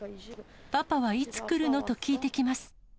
パパはいつ来るの？と聞いてきます。